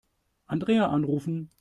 Andrea anrufen.